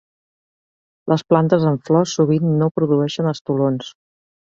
Les plantes amb flors sovint no produeixen estolons.